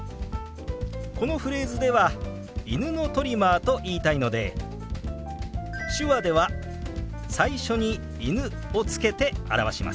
このフレーズでは「犬のトリマー」と言いたいので手話では最初に「犬」をつけて表します。